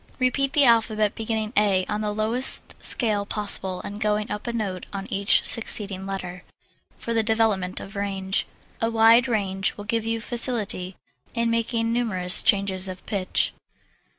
Repeat the alphabet, beginning A on the lowest scale possible and going up a note on each succeeding letter, for the development of range. A wide range will give you facility in making numerous changes of pitch.